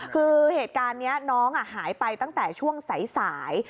คือเหตุการณ์นี้น้องหายไปตั้งแต่ช่วงสาย